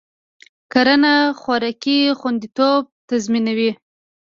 کرنه خوراکي خوندیتوب تضمینوي.